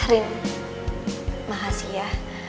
riem makasih ya